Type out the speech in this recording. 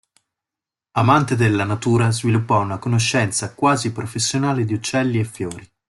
Amante della natura, sviluppò una conoscenza quasi professionale di uccelli e fiori.